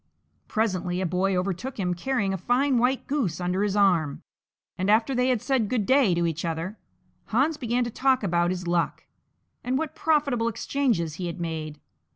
Presently a boy overtook him carrying a fine white goose under his arm, and after they had said "Good day" to each other, Hans began to talk about his luck, and what profitable exchanges he had made.